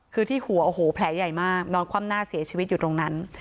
คือที่หัวโอ้โหแผลใหญ่มากนอนคว่ำหน้าเสียชีวิตอยู่ตรงนั้น